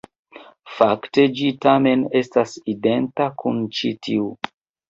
Fakte ĝi tamen estas identa kun ĉi tiu.